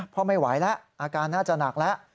พ่อไม่ไหวแล้วอาการน่าจะหนักแล้ว